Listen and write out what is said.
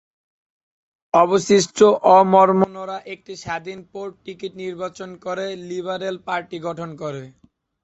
অবশিষ্ট অ-মর্মনরা একটি স্বাধীন পৌর টিকিট নির্বাচন করে, লিবারেল পার্টি গঠন করে।